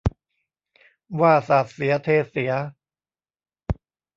ว่าสาดเสียเทเสีย